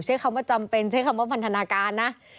ใช้คำว่าจำเป็นใช้คำว่าพันธนาการนะ